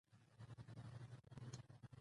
قانون د ټولنې د نظم ساتلو تر ټولو قوي وسیله ده